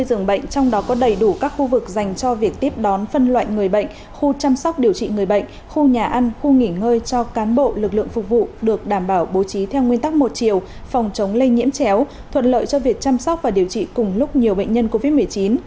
các dường bệnh trong đó có đầy đủ các khu vực dành cho việc tiếp đón phân loại người bệnh khu chăm sóc điều trị người bệnh khu nhà ăn khu nghỉ ngơi cho cán bộ lực lượng phục vụ được đảm bảo bố trí theo nguyên tắc một chiều phòng chống lây nhiễm chéo thuận lợi cho việc chăm sóc và điều trị cùng lúc nhiều bệnh nhân covid một mươi chín